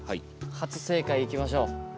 初正解いきましょう。